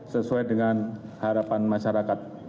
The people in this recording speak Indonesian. sesuai dengan harapan masyarakat